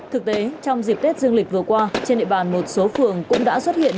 thực tế trong dịp tết dương lịch vừa qua trên địa bàn một số phường cũng đã xuất hiện